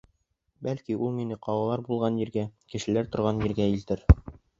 Бәлки, ул мине ҡалалар булған ергә, кешеләр торған ергә илтер.